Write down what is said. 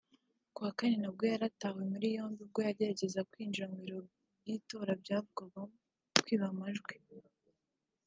ku wa Kane na bwo yaratawe muri yombi ubwo yageregezaga kwinjira mu biro by’itora byavugwagamo kwiba amajwi